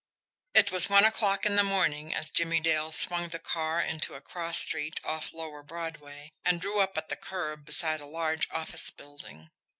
It was one o'clock in the morning as Jimmie Dale swung the car into a cross street off lower Broadway, and drew up at the curb beside a large office building.